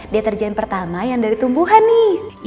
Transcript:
dia terjen pertama yang dari tumbuhan nih